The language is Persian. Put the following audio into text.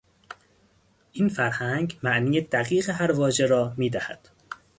این فرهنگ معنی دقیق هر واژه را میدهد.